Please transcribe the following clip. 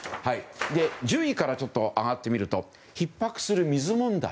１０位から上がってみるとひっ迫する水問題。